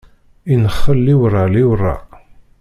Inexxel liwṛa liwṛa.